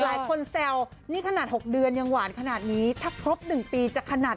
หลายคนแซวนี่ขนาดหกเดือนยังหวานขนาดนี้ถ้าครบหนึ่งปีจะขนาด